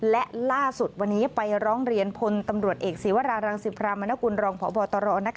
และล่าสุดวันนี้ไปร้องเรียนพลตำรวจเอกศีวรารังสิพรามนกุลรองพบตร